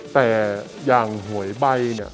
แต่อย่างหวยใบเนี่ย